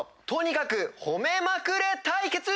とにかく褒めまくれ対決！